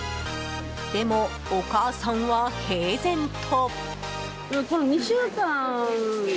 でも、お母さんは平然と。